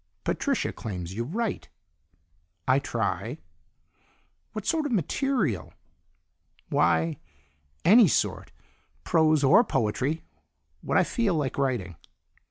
Patricia claims you write." "I try." "What sort of material?" "Why any sort. Prose or poetry; what I feel like writing."